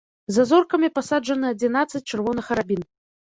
За зоркамі пасаджаны адзінаццаць чырвоных арабін.